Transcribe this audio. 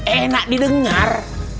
enak di dengar